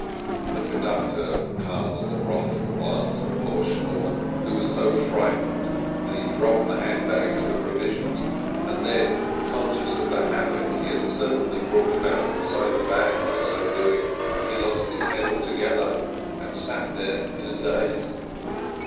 The conductor cast a wrathful glance at poor Shmuel, who was so fright ened that he dropped the hand bag with the provisions, and then, conscious of the havoc he had certainly brought about inside the bag by so doing, he lost his head altogether, and sat there in a daze.